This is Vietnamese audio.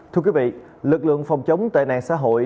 thưa quý vị lực lượng phòng chống tệ nạn xã hội